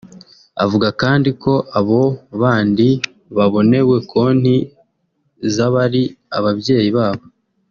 Avuga kandi ko abo bandi babonewe konti z’abari ababyeyi babo